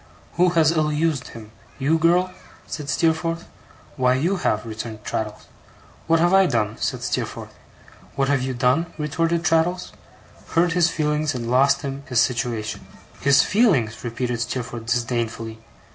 'Who has ill used him, you girl?' said Steerforth. 'Why, you have,' returned Traddles. 'What have I done?' said Steerforth. 'What have you done?' retorted Traddles. 'Hurt his feelings, and lost him his situation.' 'His feelings?' repeated Steerforth disdainfully.